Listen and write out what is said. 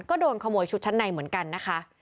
ก็โดนขโมยชุดชั้นในเหมือนกันนะคะ